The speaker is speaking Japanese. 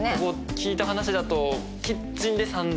聞いた話だと。